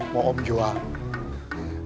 mau om jual